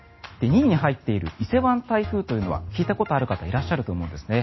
２位に入っている伊勢湾台風というのは聞いたことある方いらっしゃると思うんです。